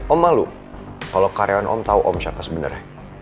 om malu kalo karyawan om tau om siapa sebenernya